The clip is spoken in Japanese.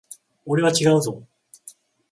俺は違うぞ。